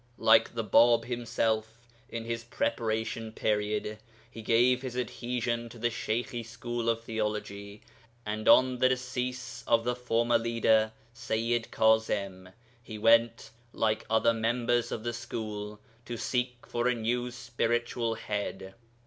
Like the Bāb himself in his preparation period, he gave his adhesion to the Sheykhi school of theology, and on the decease of the former leader (Sayyid Kaẓim) he went, like other members of the school, to seek for a new spiritual head.